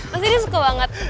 pasti dia suka banget